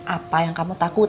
apa yang kamu takutkan